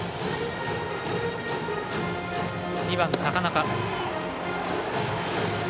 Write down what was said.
２番、高中。